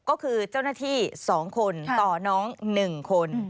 ก็คือเจ้าหน้าที่๒คนต่อน้อง๑คน